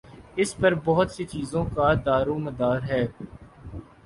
اس پر بہت سی چیزوں کا دارومدار ہے۔